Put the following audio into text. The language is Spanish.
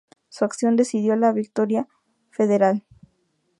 Su acción decidió la victoria federal.